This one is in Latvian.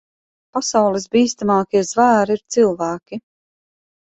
Pasaules bīstamākie zvēri ir cilvēki.